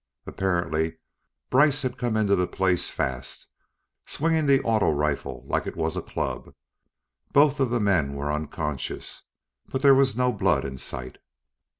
Apparently, Brice had come into the place fast, swinging the auto rifle like it was a club. Both of the men were unconscious, but there was no blood in sight.